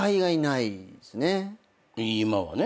今はね。